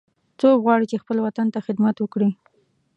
څوک غواړي چې خپل وطن ته خدمت وکړي